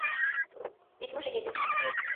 — Ведь мы же едем.